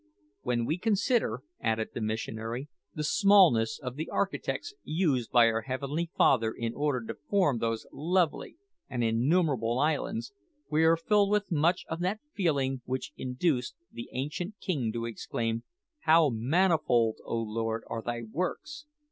When we consider," added the missionary, "the smallness of the architects used by our heavenly Father in order to form those lovely and innumerable islands, we are filled with much of that feeling which induced the ancient king to exclaim, `How manifold, O Lord, are Thy works!